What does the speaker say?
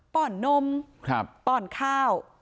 ป้อนนมป้อนข้าว